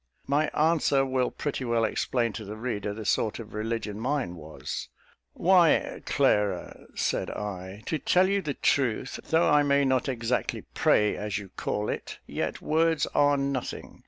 My answer will pretty well explain to the reader the sort of religion mine was: "Why, Clara," said I, "to tell you the truth, though I may not exactly pray, as you call it, yet words are nothing.